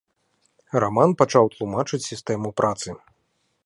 Раман пачаў тлумачыць сістэму працы.